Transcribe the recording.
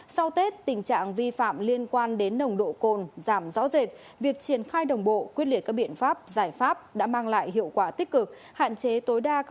sau tết tình trạng vi phạm liên quan đến nồng độ cồn giảm rõ rệt việc triển khai đồng bộ quyết liệt các biện pháp giải pháp đã mang lại hiệu quả tích cực